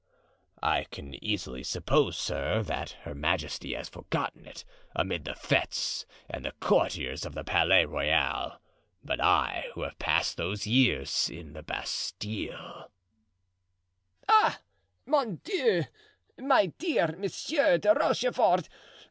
"I can easily suppose, sir, that her majesty has forgotten it amid the fetes and the courtiers of the Palais Royal, but I who have passed those years in the Bastile——" "Ah! mon Dieu! my dear Monsieur de Rochefort!